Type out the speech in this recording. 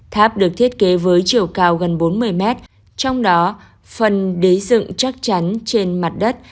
tháp được thiết kế với chiều cao gần bốn mươi mét trong đó phần đế dựng chắc chắn trên mặt đất